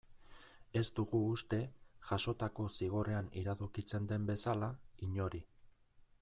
Ez dugu uste, jasotako zigorrean iradokitzen den bezala, inori.